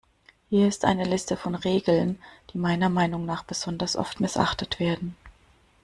Hier ist eine Liste von Regeln, die meiner Meinung nach besonders oft missachtet werden.